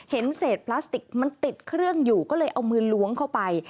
เห็นเศษพลาสติกมันติดเครื่องอยู่ก็เลยเอามือล้วงเข้าไป